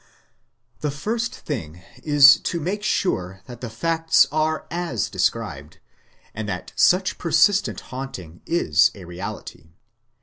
The first thing is to make sure that the facts are as described, and that such persistent haunting is a reality.